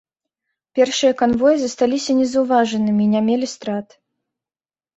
Першыя канвоі засталіся незаўважанымі і не мелі страт.